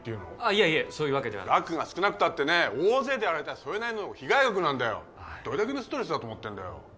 いえいえそういうわけでは額が少なくたってね大勢でやられたらそれなりの被害額なんだよどれだけのストレスだと思ってんだよ